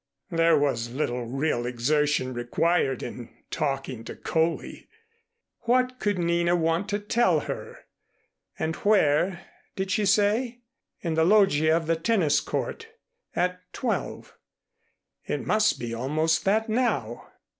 There was little real exertion required in talking to Coley. What could Nina want to tell her? And where did she say? In the loggia of the tennis court at twelve. It must be almost that now.